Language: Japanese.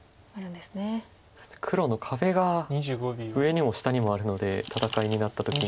そして黒の壁が上にも下にもあるので戦いになった時に。